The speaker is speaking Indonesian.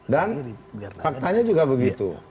dan faktanya juga begitu